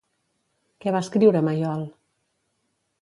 Què va escriure Mayol?